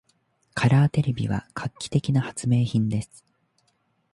カラーテレビは画期的な発明品です。